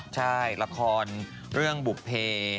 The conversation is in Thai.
ใช่หลักฐานเรื่องกฎเผย